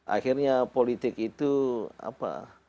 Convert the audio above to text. akhirnya politik itu apa